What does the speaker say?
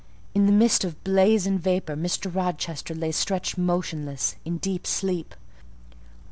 In the midst of blaze and vapour, Mr. Rochester lay stretched motionless, in deep sleep.